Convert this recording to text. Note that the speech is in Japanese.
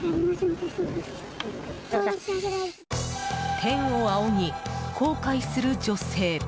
天を仰ぎ、後悔する女性。